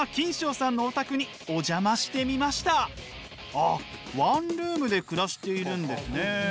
あっワンルームで暮らしているんですね。